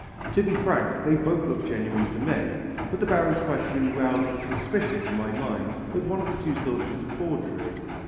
To be frank, they both looked genuine to me, but the Baron's question roused a suspicion in my mind that one of the two swords was a forgery.